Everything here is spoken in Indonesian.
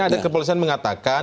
ada kepolisian mengatakan